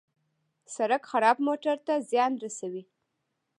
سړک خراب موټر ته زیان رسوي.